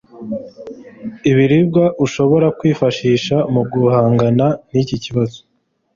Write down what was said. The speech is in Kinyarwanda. Ibiribwa ushobora kwifashisha mu guhangana n'iki kibazo